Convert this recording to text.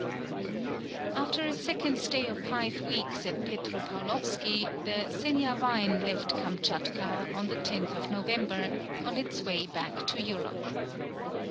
After a second stay of five weeks at Petropaulovski, the Seniavine left Kamtchatka, on the 10th of November, on its way back to Europe.